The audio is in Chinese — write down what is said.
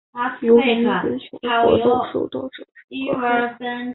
由于维权活动受到政治迫害。